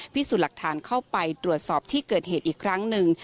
พิสูจน์หลักฐานเข้าไปตรวจสอบที่เกิดเหตุอีกครั้งหนึ่ง